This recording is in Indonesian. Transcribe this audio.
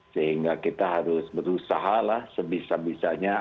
sehingga kita harus berusaha lah sebisa bisanya